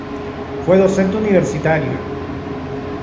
Fue docente universitario.